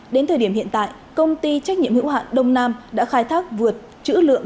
đến thời điểm hiện tại công ty trách nhiệm hữu hạn đông nam đã khai thác vượt chữ lượng